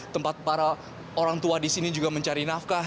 tempat para orang tua di sini juga mencari nafkah